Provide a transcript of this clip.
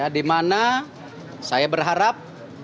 di mana saya berharap